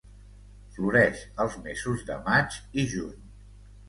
Floreix els mesos de maig i juny.